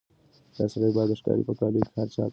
دا سړی باید د ښکار په کالیو کې هر چا ته ښکاره شي.